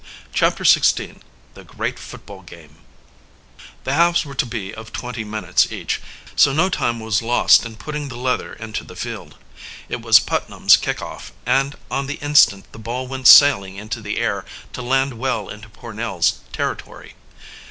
CHAPTER XVI THE GREAT FOOTBALL GAME The halves were to be of twenty minutes each, so no time was lost in putting the leather into the field. It was Putnam's kick off, and on the instant the ball went sailing into the air, to land well into Pornell's territory.